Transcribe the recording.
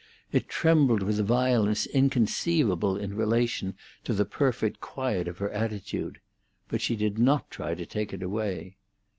It trembled with a violence inconceivable in relation to the perfect quiet of her attitude. But she did not try to take it away.